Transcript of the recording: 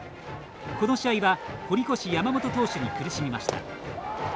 この試合は堀越山本投手に苦しみました。